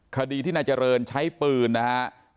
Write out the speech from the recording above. คดีที่นายเจริญใช้ปืนอ่า